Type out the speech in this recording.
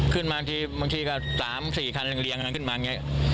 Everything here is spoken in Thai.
ขึ้นมาบางทีบางทีก็๓๔คันเรียงขึ้นมาอย่างงี้